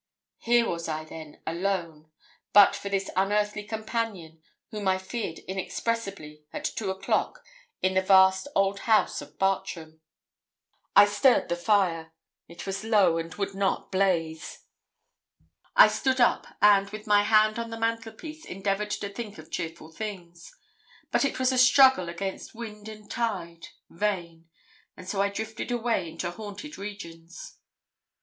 Here was I then alone, but for this unearthly companion, whom I feared inexpressibly, at two o'clock, in the vast old house of Bartram. I stirred the fire. It was low, and would not blaze. I stood up, and, with my hand on the mantelpiece, endeavoured to think of cheerful things. But it was a struggle against wind and tide vain; and so I drifted away into haunted regions.